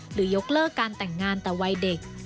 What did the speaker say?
ยกเลิกการแต่งงานแต่วัยเด็ก